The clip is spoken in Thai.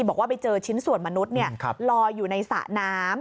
บอกว่าไปเจอชิ้นส่วนมนุษย์ลอยอยู่ในสระน้ำ